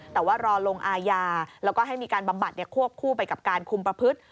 แต่ว่ารอลงอาญาแล้วก็ให้มีการบำบัดควบคู่ไปกับการคุมประพฤติ